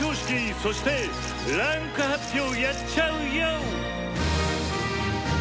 「そして位階発表やっちゃうよ！」。